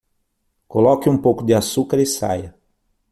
Coloque um pouco de açúcar e saia.